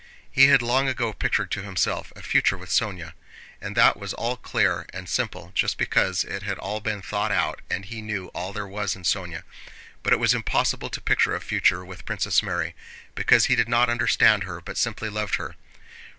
He had long ago pictured to himself a future with Sónya, and that was all clear and simple just because it had all been thought out and he knew all there was in Sónya, but it was impossible to picture a future with Princess Mary, because he did not understand her but simply loved her.